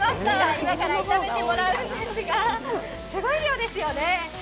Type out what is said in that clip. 今から炒めてもらうんですが、すごい量ですよね。